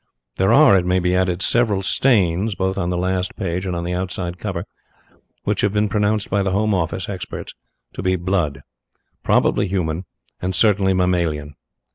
There are, it may be added, several stains, both on the last page and on the outside cover which have been pronounced by the Home Office experts to be blood probably human and certainly mammalian.